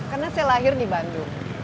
karena saya lahir di bandung